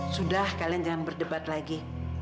sudah kalian jangan berdebat lagi